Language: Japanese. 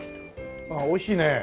ああ美味しいね。